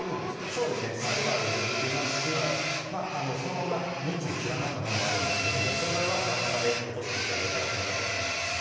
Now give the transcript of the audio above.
そうですねスーパーでも売っていますしそのまま２対連なったものもあるんですけどもその場合は真ん中で落として頂いたらこの形になります